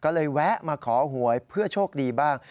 ก็เลยแวะมาขอหวยเพื่อโชคดีบ้าง